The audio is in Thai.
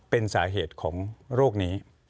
เป็นสาเหตุของโรคนี้